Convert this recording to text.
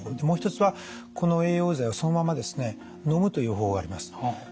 もう一つはこの栄養剤をそのままですねのむという方法があります。